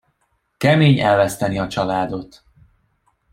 Kemény elveszteni a családot.